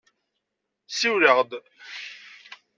Siwel-aɣ-d.